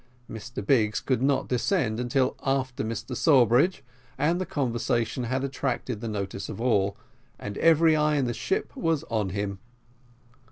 Mr Biggs could not descend until after Mr Sawbridge, and the conversation had attracted the notice of all, and every eye in the ship was on him.